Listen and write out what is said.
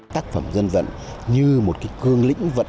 tác phẩm dân vận như một cái cương lĩnh vận